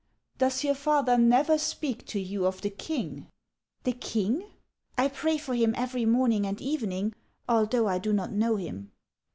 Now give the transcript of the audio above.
" Does your father never speak to you of the king ?"" The king ? I pray for him every morning and even ing, although I do not know him."